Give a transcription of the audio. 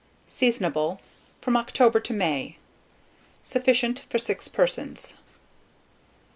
Seasonable from October to May. Sufficient for 6 persons.